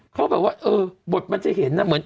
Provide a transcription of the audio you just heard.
เขาแบบว่าเออบทมันจะเห็นน่ะ